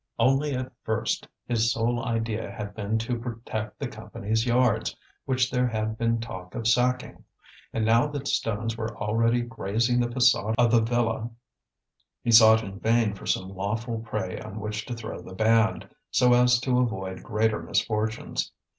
Only at first his sole idea had been to protect the Company's Yards, which there had been talk of sacking. And now that stones were already grazing the facade of the villa, he sought in vain for some lawful prey on which to throw the band, so as to avoid greater misfortunes.